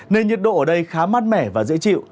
nên nhiệt độ ở đây khá mát mẻ và dễ chịu